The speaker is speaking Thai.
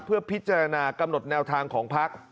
เพื่อพิจารณากำหนดแนวทางของพัก